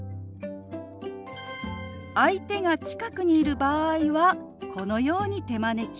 相手が近くにいる場合はこのように手招き。